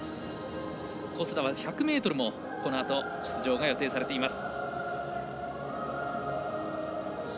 小須田は１００ｍもこのあと出場が予定されています。